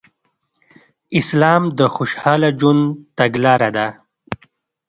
اسلام د خوشحاله ژوند تګلاره ده